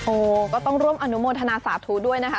ก็ต้องร่วมอนุโมทนาสาธุด้วยนะคะ